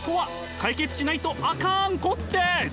解決しないとあかん湖です！